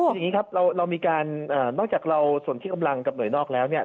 คืออย่างนี้ครับเรามีการนอกจากเราส่วนที่กำลังกับหน่วยนอกแล้วเนี่ย